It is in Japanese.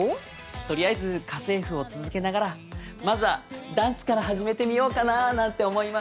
とりあえず家政夫を続けながらまずはダンスから始めてみようかななんて思います。